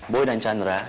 boy dan chandra